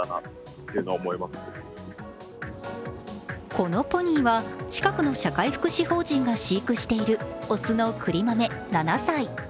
このポニーは近くの社会福祉法人が飼育している雄のくりまめ７歳。